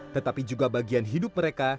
tetapi juga bagian hidup mereka